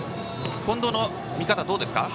近藤の見方、どうですか？